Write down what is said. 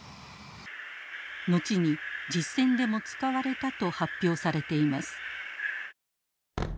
後に実戦でも使われたと発表されています。